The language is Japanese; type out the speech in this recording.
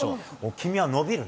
君は伸びるね。